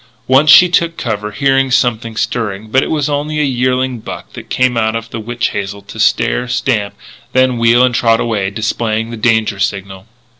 Once she took cover, hearing something stirring; but it was only a yearling buck that came out of the witch hazel to stare, stamp, then wheel and trot away, displaying the danger signal.